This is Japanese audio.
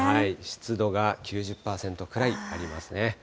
湿度が９０％くらいありますね。